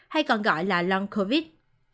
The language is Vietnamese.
hay còn gọi là long covid